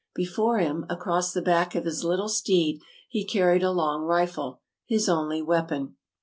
Before him, across the back of his little steed, he carried a long rifle, his only weapon.